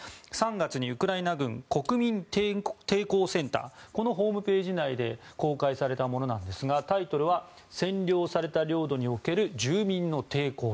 ３月にウクライナ軍国民抵抗センターこのホームページ内で公開されたものなんですがタイトルは「占領された領土における住民の抵抗」。